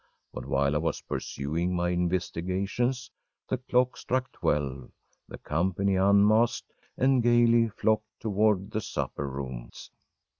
But while I was pursuing my investigations the clock struck twelve, the company unmasked, and gaily flocked toward the Supper rooms.